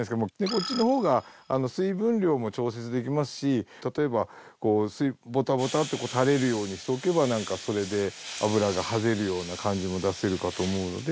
こっちの方が水分量も調節できますし例えばこうボタボタって垂れるようにしておけばなんかそれで脂が跳ねるような感じも出せるかと思うので。